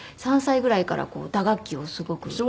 ３歳ぐらいから打楽器をすごく。